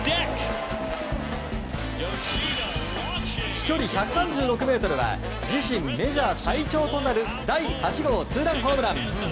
飛距離１３６ｍは自身メジャー最長となる第８号ツーランホームラン。